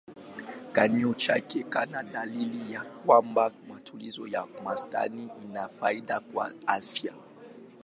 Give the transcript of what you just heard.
Kinyume chake kuna dalili ya kwamba matumizi ya wastani ina faida kwa afya.